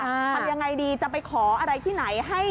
ทำยังไงดีจะไปขออะไรที่ไหน